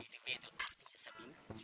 itu betul artinya semin